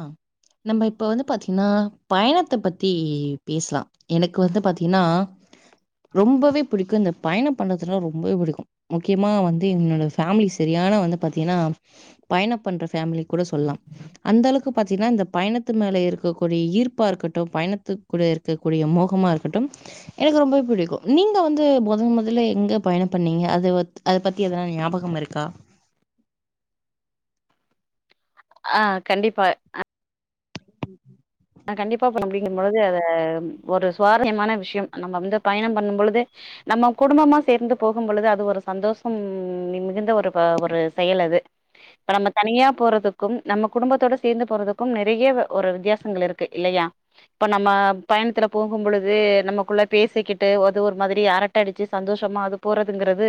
ஆஹ் நம்ம இப்ப வந்து பாத்தீங்கன்னா பயணத்தை பத்தி பேசலாம் எனக்கு வந்து பாத்தீங்கன்னா ரொம்பவே பிடிக்கும் இந்த பயணம் பண்றதுனாம் ரொம்பவே பிடிக்கும் முக்கியமா வந்து என்னோட பேமிலி சரியான வந்து பாத்தீங்கன்னா பயணம் பண்ற பேமிலி கூட சொல்லாம் எந்தளவுக்கு பாத்தீங்கன்னா இந்த பயணத்து மேல இருக்கக்கூடிய ஈர்ப்பா இருக்கட்டும் பயணத்துக்குட இருக்கக்கூடிய மோகமா இருக்கட்டும் எனக்கு ரொம்பவே பிடிக்கும் நீங்க வந்து முதன் முதல எங்க பயணம் பண்ணீங்க அது அதை பத்தி எதனா ஞாபகம் இருக்கா ஆஹ் கண்டிப்பா நா கண்டிப்பா அப்படிங்கும்பொழுது அது ஒரு சுவாரஸ்யமான விஷயம் நம்ம வந்து பயணம் பண்ணும் பொழுது நம்ம குடும்பமா சேர்ந்து போகும் பொழுது அது ஒரு சந்தோஷம் மிகுந்த ஒரு ஒரு செயல் அது இப்ப நம்ம தனியா போறதுக்கும் நம்ம குடும்பத்தோட சேர்ந்து போறதுக்கும் நெறைய ஒரு வித்தியாசங்கள் இருக்கு இல்லையா இப்ப நம்ம பயணத்துல போகும்பொழுது நம்மக்குள்ள பேசிக்கிட்டு அது ஒரு மாதிரி அரட்ட அடிச்சு சந்தோஷமா அது போறதுங்கிறது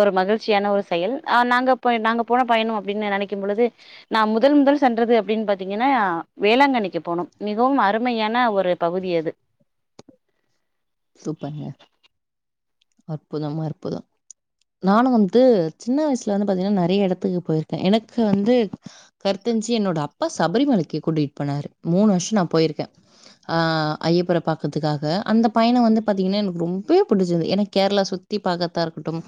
ஒரு மகிழ்ச்சியான ஒரு செயல் ஆஹ் நாங்க போன நாங்க போன பயணம் அப்புடின்னு நினைக்கும் பொழுது நான் முதல் முதல் சென்றது அப்புடின்னு பாத்தீங்கன்னா வேளாங்கண்ணிக்கு போனோம் மிகவும் அருமையான ஒரு பகுதி அது சூப்பருங்க. அற்புதம் அற்புதம் நானும் வந்து சின்ன வயசுல வந்து பாத்தீங்கன்னா நெறைய இடத்துக்கு போயிருக்கேன் எனக்கு வந்து கருத்தஞ்சு என்னோட அப்பா சபரிமலைக்கு கூட்டிட்டு போனாரு மூணு வருஷம் நான் போயிருக்கேன் ஆஹ் ஐயப்பன பாக்கறதுக்காக அந்த பயணம் வந்து பார்த்தீங்கன்னா எனக்கு ரொம்பவே பிடிச்சிந்து ஏன்னா கேரளா சுத்தி பார்கத்தா இருக்கட்டும்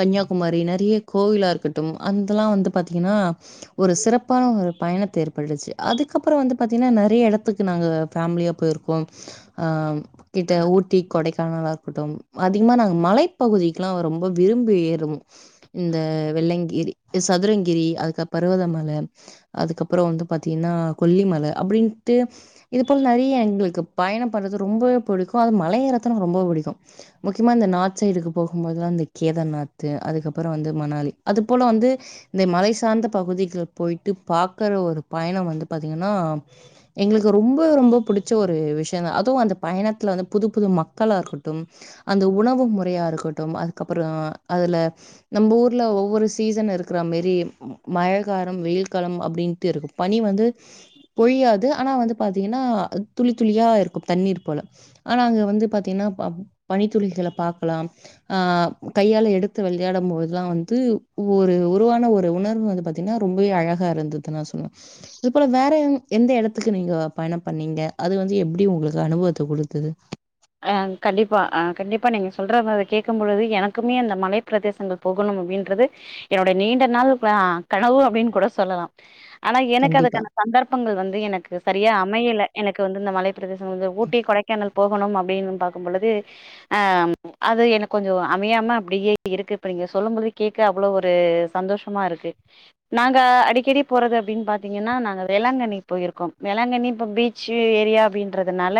கன்னியாகுமரி நிறைய கோவிலா இருக்கட்டும் அதெல்லாம் வந்து பார்த்தீங்கன்னா ஒரு சிறப்பான ஒரு பயணத்தை ஏற்பட்டுச்சு அதுக்கப்புறம் வந்து பார்த்தீங்கன்னா நிறைய இடத்துக்கு நாங்கள் பேமிலியா போயிருக்கோம் இந்த ஊட்டி கொடைக்கானலா இருக்கட்டும் அதிகமா நாங்கள் மலைப்பகுதிக்குல்லாம் ரொம்ப விரும்பு ஏறோம் இந்த வெள்ளங்கிரி சதுரங்கிரி அது பருவதமலை அதுக்கப்புறம் வந்து பாத்தீங்கன்னா கொல்லிமலை அப்படின்ட்டு இது போல நெறைய எங்களுக்கு பயணம் பண்றது ரொம்ப பிடிக்கும் இப்ப அது மலை ஏற்றதுக்கு எனக்கு ரொம்ப பிடிக்கும் முக்கியமா இந்த நார்த் சைடுக்கு போகும்போதுல்லாம் இந்த கேதர்நாத் அதுக்கப்புறம் வந்து மணாலி அது போல வந்து இந்த மலை சார்ந்த பகுதிகள் போயிட்டு பாக்கற ஒரு பயணம் வந்து பாத்தீங்கன்னா எங்களுக்கு ரொம்ப ரொம்ப பிடிச்ச ஒரு விஷயம்னா அதுவும் அந்த பயணத்துல வந்து புது புது மக்களா இருக்கட்டும் அந்த உணவு முறையா இருக்கட்டும் அதுக்கப்புறோ அதுல நம்ப ஊர்ல ஒவ்வொரு சீசன் இருக்கிற மெரி மய காரம் வெயில்காலம் அப்டின்ட்டு இருக்கும் பனி வந்து பொழியாது ஆனா வந்து பாத்தீங்கன்னா துளி துளியா இருக்கும் தண்ணீர் போல ஆனா அங்க வந்து பாத்தீங்கன்னா ப பனித்துளிகள பாக்கலாம் ஆ கையால எடுத்து வெளையாடும் போதுலா வந்து ஒரு உருவான ஒரு உணர்வு வந்து பாத்தீங்கன்னா ரொம்பவே அழகாக இருந்தது நா சொல்வே இது போல வேற எந்த எடத்துக்கு நீங்க பயணம் பண்ணீங்க அது வந்து எப்டி உங்களுக்கு அனுபவத்தை குடுத்தது ஆ கண்டிப்பா ஆ கண்டிப்பா நீங்க சொல்றத கேக்கும் பொழுது எனக்குமே அந்த மலை பிரதேசங்கள் போகணும் அப்டின்றது என்னோடைய நீண்ட நாள் ஆ கனவு அப்டின்னு கூட சொல்லலா ஆனா எனக்கு கண்டிப்பா அதுக்கான சந்தர்ப்பங்கள் வந்து எனக்கு சரியா அமையல எனக்கு வந்து இந்த மலை பிரதேசங்கள இருக்கு ஊட்டி கொடைக்கானல் போகணும் அப் வேணுனு பாக்கும்பொழுது ஆ ம் அது எனக்கு கொஞ்சோ அமையாம அப்டியே இருக்கு இப்ப நீங்க சொல்லும்போது கேட்க அவ்வளவு ஒரு சந்தோஷமா இருக்கு நாங்க அடிக்கடி போறது அப்டின்னு பாத்தீங்கன்னா நாங்க வேளாங்கண்ணி போயிருக்கோம் வேளாங்கண்ணி இப்ப பீச் ஏரியா அப்படின்றதுனால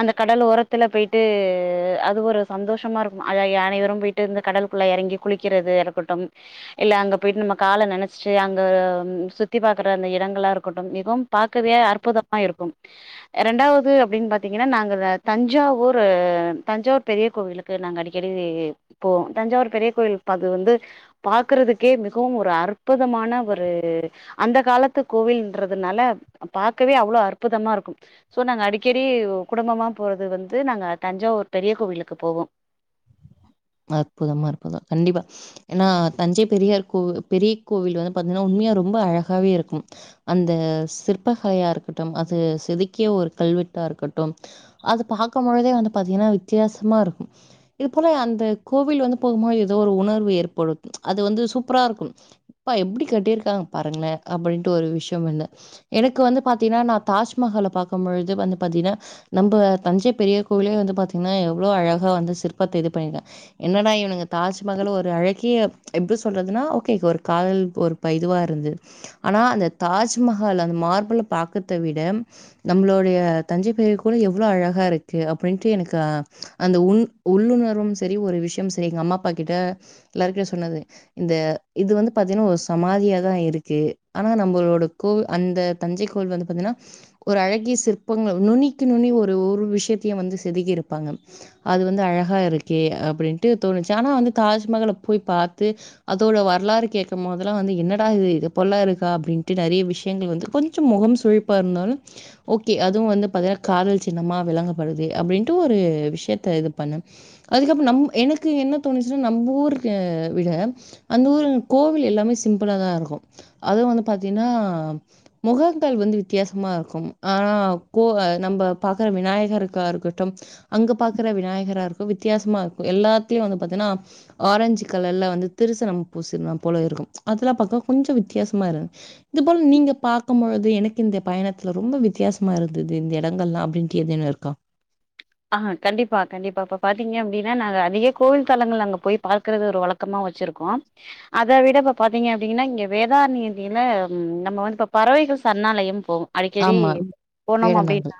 அந்த கடல் ஓர இடத்துல போயிட்டு அது ஒரு சந்தோஷமா இருக்கும் அனைவரும் போயிட்டு இருந்து கடலுக்குள்ள எறங்கி குளிக்கிறது இருக்கட்டும் இல்ல அங்க போயிட்டு நம்ம கால நனைச்சிட்டு அங்க சுத்தி பாக்குற அந்த இடங்களா இருக்கட்டும் மிகவும் பாக்கவே அற்புதமா இருக் க்கும் ரெண்டாவது அப்டின்னு பாத்தீங்கன்னா நாங்க தஞ்சாவூர் தஞ்சாவூர் பெரிய கோவிலுக்கு நாங்க அடிக்கடி போவோ தஞ்சாவூர் பெரிய கோயில் அது வந்து பாக்கறதுக்கே மிகவும் ஒரு அற்புதமான ஒரு அந்த காலத்து கோவில்ன்றதுனால பாக்கவே அவ்ளோ அற்புதமா இருக்கும் ஸோ நாங்க அடிக்கடி குடும்பமா போறது வந்து நாங்க தஞ்சாவூர் பெரிய கோவிலுக்கு போவோ அற்புதம்மா அற்புதம் கண்டிப்பா ஏன்னா தஞ்சை பெரியார் கோ பெரிய கோவில் வந்து பாத்தீங்கன்னா உண்மையா ரொம்ப அழகாவே இருக்கும் அந்த சிற்ப கலையா இருக்கட்டும் அது செதுக்கிய ஒரு கல்வெட்டா இருக்கட்டும் அது பாக்கும்பொழுதே வந்து பாத்தீங்கன்னா வித்தியாசமா இருக்கும் இது போல அந்த கோவில் வந்து போகும்போது ஏதோ ஒரு உணர்வு ஏற்படுத்தும் அது வந்து சூப்பரா இருக்கும் யப்பா எப்டி கட்டியிருக்காங்க பாருங்களே அப்டின்ட்டு ஒரு விஷியோ ஒன்னு எனக்கு வந்து பாத்தீங்கன்னா நான் தாஜ்மஹால பாக்கும்பொழுது வந்து பாத்தீங்கன்னா நம்ப தஞ்சை பெரிய கோவிலயே வந்து பாத்தீங்கன்னா எவ்ளோ அழகா வந்து சிற்பத்த இது பண்ணிருக்காங்க என்னடா இவனுங்க தாஜ்மஹால் ஒரு அழகே எப்டி சொல்றதுன்னா ஓகே ஒரு காதல் ஒரு ப இதுவா இருந்தது ஆனா அந்த தாஜ்மஹால் அந்த மார்பிள பாக்கறத விட நம்மளோடைய தஞ்சை பெரிய கோயில் எவ்வளோ அழகா இருக்கு அப்படின்ட்டு எனக்கு அந்த உன் உள்ளுணர்வும் சரி ஒரு விஷ் நிச்சயம் செய்ங்க அம்மா அப்பா கிட்ட எல்லாருகிட்டயு சொன்னது இந்த இது வந்து பாத்தீன்னா ஒரு சமாதியாதா இருக்கு ஆனா நம்மளோட கோ அந்த தஞ்சை கோவில் வந்து பாத்தீங்கன்னா ஒரு அழகிய சிற்பங்க நுனிக்கு நுனி ஒரு ஒரு விஷயத்தையு வந்து செதுக்கி இருப்பாங்க அது வந்து அழகா இருக்கே அப்டின்னு ட்டு தோணுச்சு ஆனா வந்து தாஜ்மஹால போய் பாத்து அதோட வரலாற கேக்கும்போதல்லா வந்து என்னடா இது போலல்லா இருக்கா அப்டின்ட்டு நெறைய விஷயங்கள் வந்து கொஞ்ச மொகம் சுழிப்பா இருந்தாலு ஓகே அதும் வந்து பாத்தீங்கன்னா காதல் சின்னமா விளங்கப்படுது அப்டின்ட்டு ஒரு விஷயத்த இது பண்ணு அதுக்கப்றோ நம் எனக் க்கு என்ன தோணுச்சுனா நம்ப ஊரு ஆ விட அந்த ஊரு கோவில் எல்லாமே சிம்பிளாதா இருக்கும் அதுவும் வந்து பாத்தீங்கன்னா மொகங்கள் வந்து வித்தியாசமா இருக்கும் ஆனா கோ நம்ப பாக்குற விநாயகருக்கா இருக்கட்டும் அங்க பாக்குற விநாயகராக இருக்கும் வித்தியாசமா இருக்கும் எல்லாத் த்தி வந்து பாத்தீன்னா ஆரஞ்சு கலர்ல வந்து திருசனம் பூசின போல இருக்கும் அதெல்லா பாக்க கொஞ்ச வித்தியாசமா இருந் இது போல நீங்க பாக்கும் பொழுது எனக்கு இந்த பயணத்துல ரொம்ப வித்தியாசமா இருந்தது இந்த இடங்கள்லா அப்டின்ட்டு எதேனும் இருக்கா ஆ கண்டிப்பா கண்டிப்பா இப்ப பாத்தீங்க அப்டின்னா நாங்க அதிக கோவில் தளங்கள் அங்க போய் பாக்கறது ஒரு வழக்கமா வச்சிருக்கோ அத விட இப்ப பாத்தீங்க அப்டின்னா இங்க வேதாரண்யதியில நம்ம வந்து இப்ப பறவைகள் சரணாலயம் போவோம் அடிக்கடி ஆமா. போனோம் வேடந்தாங்கல். அப்டின்னா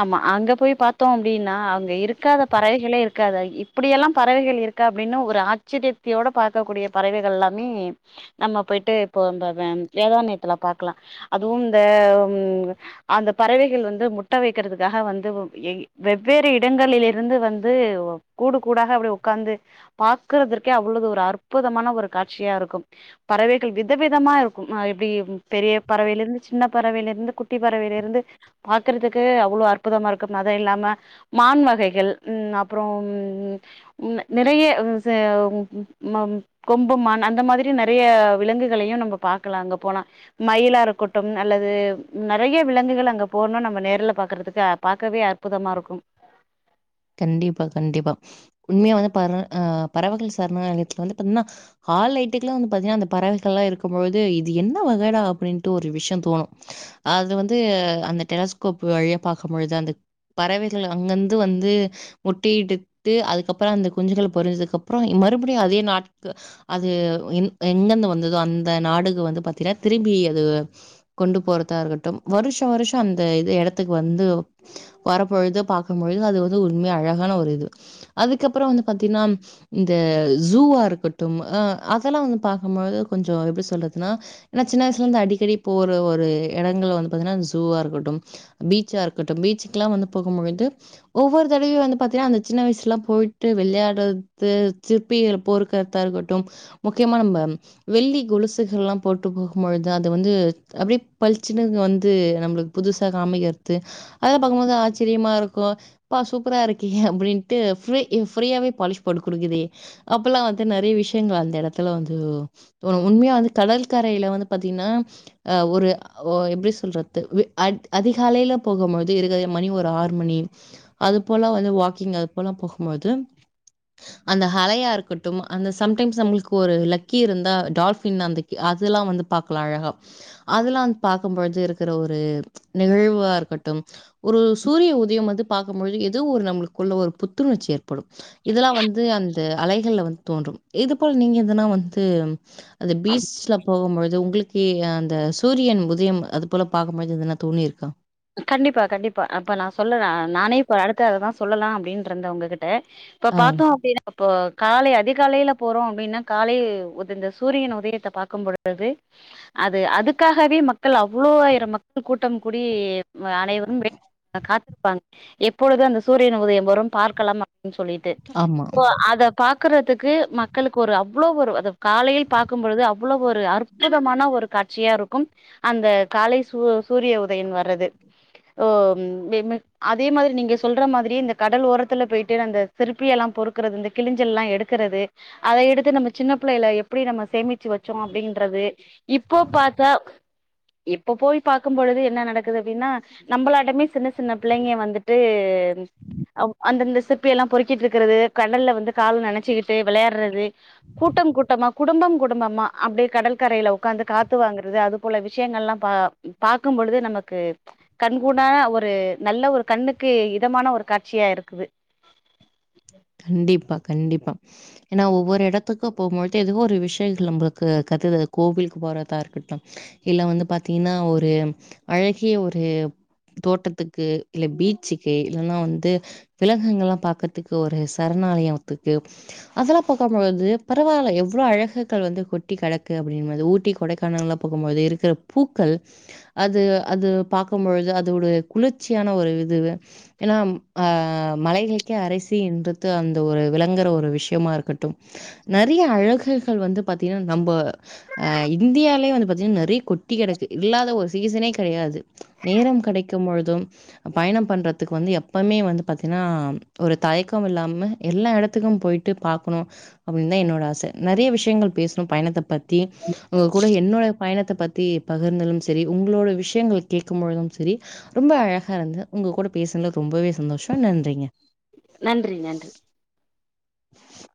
ஆமா அங்க போய் பா அப்டின்னா அங்க இருக்காத பறவைகளே இருக்காது இப்பிடி எல்லா பறவைகள் இருக்கா அப்டின்னு ஒரு ஆச்சரியத்தியோட பாக்கக்கூடிய பறவைகள் எல்லாமே நம்ம போயிட்டு இப்போ இந்த வேதாரண்யத்துல பாக்கலா அதுவு இந்த அந்த பறவைகள் வந்து முட்ட வைக்கிறதுக்காக வந்து இ வெவ்வேறு இடங்களிலிருந்து வந்து கூடு கூடாக அப்டி உக்காந்து பாக்குறதற்கே அவ்ளது ஒரு அற்புதமான ஒரு காட்சியா இருக்கும் பறவைகள் விதவிதமா இருக்கும் ஆ எப்டி பெரிய பறவையில இருந்து சின்ன பறவையில இருந்து குட்டி பறவையில இருந்து பாக்கறதுக்கு அவ்வளவு அற்புதமா இருக்கும் அதை எல்லாம் மான் வகைகள் உம் அப்புறோம் ம் நெறைய ச கொம்புமான் அந்த மாதிரி நெறைய விலங்குகளையும் நம்ம பாக்கலாம் அங்க போனா மயிலாருக்கட்டும் அல்லது நெறைய விலங்குகள் அங்க போனோம் நம்ம நேரல பாக்கறதுக்கு பாக்கவே அற்புதமாக இருக்கும் கண்டிப்பா கண்டிப்பா உண்மையா வந்து பற ஆஹ் பறவைகள் சரணாலயத்துல வந்து பாத்தீங்கன்னா ஹால்லைட்டுக்கு எல்லாம் வந்து பாத்தீங்கன்னா அந்த பறவைகள் எல்லாம் இருக்கும் பொழுது இது என்ன வகைடா அப்டின்ட்டு ஒரு விஷயம் தோணும் அது வந்து அந்த டெலஸ்கோப் வழியா பாக்கும் பொழுது அந்த பறவைகள் அங்கந்து வந்து முட்டயிட்டு அதுக்கப்புறோம் அந்த குஞ்சுகள் பொரிஞ்சதுக்கு அப்புறோம் மறுபடியும் அதே நாட அது எங்கந்து வந்ததோ அந்த நாடுக்கு வந்து பாத்தீங்கன்னா திரும்பி அது கொண்டு போறதா இருக்கட்டும் வருஷம் வருஷம் அந்த இது இடத்துக்கு வந்து வர பொழுத பாக்கும் பொழுது அது உண்மையா அழகான ஒரு இது அதுக்கப்புறோம் வந்து பாத்தீங்கன்னா இந்த ஜூவா இருக்கட்டும் அஹ அதெல்லாம் வந்து பாக்கும்பொழுது கொஞ்சம் எப்டி சொல்றதுன்னா ஏன்னா சின்ன வயசுல இருந்து அடிக்கடி போற ஒரு இடங்கள்ல வந்து பாத்தீங்கன்னா ஜூவா இருக்கட்டும் பீச்சா இருக்கட்டும் பீச்சுக்குலாம் வந்து போகும்பொழுது ஒவ்வொரு தடவையும் வந்து பாத்தீங்கன்னா அந்த சின்ன வயசுலாம் போயிட்டு வெளையாடுறது சிற்பி பொருக்கிறதா இருக்கட்டும் முக்கியமா நம்ம வெள்ளி கொலுசுகள்லாம் போட்டு போகும் பொழுது அது வந்து அப்டியே பளிச்சுன்னு வந்து நம்மளுக்கு புதுசா காமிக்றது அதெல்லாம் பாக்கும்போது ஆச்சரியமா இருக்கும் ப்பா சூப்பரா இருக்கே அப்டின்ட்டு ப் ஃப்ரீயாவே பாலிஷ் போட்டு கொடுக்குதே அப்ப எல்லாம் வந்து நெறைய விஷயங்கள் அந்த இடத்துல வந்து தணும் உண்மையா வந்து கடல்கரையில வந்து பாத்தீங்கன்னா அஹ் ஒரு எப்டி சொல்றது அதிகாலையில போகும்போது இருக்க மணி ஒரு ஆறு மணி அது போல வந்து வாக்கிங் அது அப்போலாம் போகும்போது அந்த அலையா இருக்கட்டும் அந்த சம்டைம்ஸ் நம்மளுக்கு ஒரு லக்கி இருந்தா டால்ஃபின் அந்த அதெல்லாம் வந்து பாக்கலாம் அழகா அதெல்லாம் வந்து பார்க்கும்பொழுது இருக்கிற ஒரு நிகழ்வா இருக்கட்டும் ஒரு சூரிய உதயம் வந்து பா பாக்கும்பொழுது ஏதோ ஒரு நம்மளுக்குள்ள ஒரு புத்துணர்ச்சி ஏற்படும் இதெல்லாம் வந்து அந்த அலைகள்ல வந்து தோன்றும் இது போல நீங்க எதுன்னா வந்து ம் அது பீச்ல போகும்பொழுது உங்ளுக்கு ஏங்க அந்த சூரியன் உதயம் அது போல பாக்கும் பொழுது எதுனா தோணிருக்கா கண்டிப்பா கண்டிப்பா அப்ப நான் சொல்றேன் நானே இப்ப அடுத்த அததான் சொல்லலாம் அப்டின்றந்த உங்ககிட் த இப்ப ஆ. பாத்தோம் அப்டின்னா இப்போ காலை அதிகாலைல போறோம் அப்டின்னா காலை உதித்த இந்த சூரியன் உதயத்த பாக்கும்பொழுது அது அதுக்காகவே மக்கள் அவ்வளோ ஆயிரம் மக்கள் கூட்டம் கூடி அனைவரும் காத் ப்பாங் எப்பொழுது அந்த சூரியன் உதயம்வரும் பார்க்கலாம் சொல்லிட்டு ஆமா. அத பாக்குற தத்துக்கு மக்களுக்கு ஒரு அவ்வளவு ஒரு காலையில் பார்க்கும்பழுது அவ்வளவு ஒரு அற்புதமான ஒரு காட்சியா இருக்கும் அந்த காலை சூரிய உதயன் வர்றது அதே மாதிரி நீங்க சொல்ற மாதிரி இந்த கடல் ஓரத்துல போயிட்டு அந்த சிருப்பிய எல்லாம்பொருட்கரது இந்த கிளிிஞ்சல் எல்லாம் எடுக்கறது அதை எடுத்து நம்ம சின்ன பிள்ளைையில எப்படி நம்ம சேமிச்சு வச்சோம் அப்படின்றது இப்போ பார்த்தா இப்ப போய் பாார்க்கும் பொழுது என்ன நடக்குது அப்படின்னா நம்மளாட்டமே சின்ன சின்ன பிள்ளைங்க வந்துட்டு அந்தந்த சிப்பிய எல்லாம் பொறிக்கிட்டு இருக்கிறது கடல்ல வந்து கல நினைச்சிக்கிட்டு விளையாடுறது கூட்டம் கூட்டமா குடும்பம் குடும்பமா அப்படியே கடல் கரையில உட்காந்து காத்து வாங்கறது அது போல விஷயங்கள் எல்லாம் பார்கக்கும் பொழுது நமக்கு கண்ங்கூடா ஒரு நல்ல ஒரு கண்ணுக்கு இதமான ஒரு காட்சியா இருக்குது கண்டிப்பா கண்டிப்பா ஏன்னா ஒவ்வொரு இடத்துக்கும் போகும்பழுது ஏதோ ஒரு விஷயங்கள் நம்மளுக்கு கற்று கோவிலுக்கு போறதா இருக்கட்டலாம் இல்ல வந்து பாாரத்தீங்கன்னா ஒரு அழகிய ஒரு தோட்டத்துக்கு இல்ல பீச்சுக்கு இல்லலைன்னா வந்து விலகுங்கள் எல்லாம் பாக்கறதுக்கு ஒரு சரணாலயம்த்துக்கு அதெல்லாம் பார்கபது பரவாயில்ல எவ்வளவு அழகுகள் வந்து கொட்டி கிடக்கு அப்படது ஊட்டி கொடைக்கானல்லாம் ப்கும்பழுது இருக்கிற பூக்கள் அது அது பார்க்கும்பழுது அதோட குளிர்ச்சியான ஒரு இது ஏன்னா அஹ மலைகளுக்கே அரை து அந்த ஒரு விளங்குற ஒரு விஷயமா இருக்கட்டும் நிறைய அழகுகள் வந்து பாத்தீங்கன்னா நம்ம அஹ் இந்தியாலயே வந்து பாத்தீங்கன்னா நிறைய கொட்டி கடைக்கு இல்லாத ஒரு சீசனே கிடையாது நேரம் கிடைக்கும் பொழுதும் பயணம் பண்றதுக்கு வந்து எப்பவுமே வந்து பாத்தீங்கன்னா ஒரு தயக்கம் இல்லாம எல்லா இடத்துக்கும் போயிட்டு பார்க்கணும் அப்படின்னு தான் என்னோட ஆசை நிறைய விஷயங்கள் பேசணும் பயணத்தை பற்றி உங்க கூட என்னோட பயணத்தை பத்தி பகிர்ந்தாலும் சரி உங்களோட விஷயங்க கேட்கும் பொழுதும் சரி ரொம்ப அழகா இருந்த உங்க கூட பேசுினது ரொம்பவே சந்தோஷம் நன்றிங்க நன்றி நன்றி ச்சி